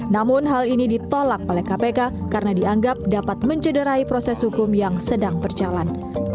namun hal ini ditolak oleh kpk karena dianggap dapat mencederai proses hukum yang sedang berjalan